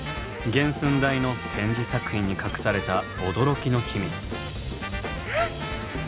原寸大の展示作品に隠された驚きの秘密。